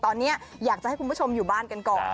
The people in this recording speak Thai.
ตอนนี้อยากจะให้คุณผู้ชมอยู่บ้านกันก่อน